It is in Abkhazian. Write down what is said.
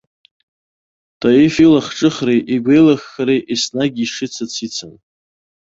Таиф илахҿыхреи игәеилыххареи еснагь ишицыц ицын.